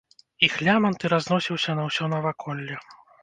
Іх лямант і разносіўся на ўсё наваколле.